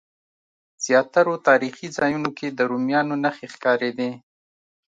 زیاترو تاریخي ځایونو کې د رومیانو نښې ښکارېدې.